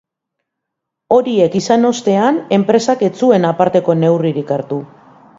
Horiek izan ostean, enpresak ez zuen aparteko neurririk hartu.